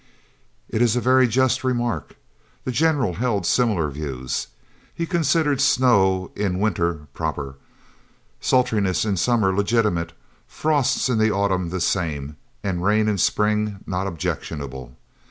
"It is a very just remark. The general held similar views. He considered snow in winter proper; sultriness in summer legitimate; frosts in the autumn the same, and rains in spring not objectionable.